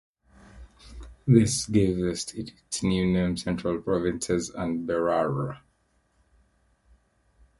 This gave the state its new name Central Provinces and Berar.